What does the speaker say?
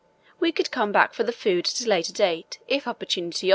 We could come back for the food at a later date if opportunity offered.